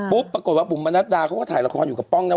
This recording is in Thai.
ปุ๊บปรากฏว่าปุ๋มนัทดาเขาก็ถ่ายละครอยู่กับปนวัตติ